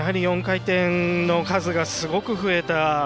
４回転の数がすごく増えた